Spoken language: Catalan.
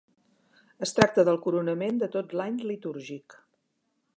Es tracta del coronament de tot l'any litúrgic.